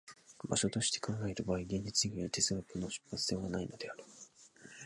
場所として考える場合、現実以外に哲学の出発点はないのである。